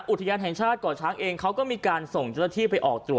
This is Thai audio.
อุทยานแห่งชาติก่อช้างเองเขาก็มีการส่งเจ้าหน้าที่ไปออกตัว